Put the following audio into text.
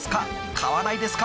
買わないですか？］